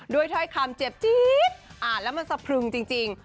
ถ้อยคำเจ็บจี๊ดอ่านแล้วมันสะพรึงจริง